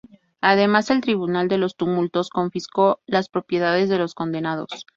Además el Tribunal de los Tumultos confiscó las propiedades de los condenados.